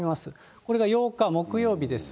これが８日木曜日です。